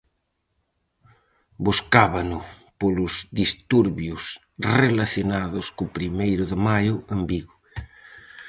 Buscábano polos disturbios relacionados co primeiro de maio en Vigo.